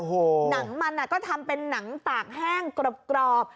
หนังมันก็ทำเป็นหนังตากแห้งกรอบ